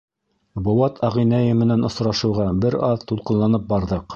Быуат ағинәйе менән осрашыуға бер аҙ тулҡынланып барҙыҡ.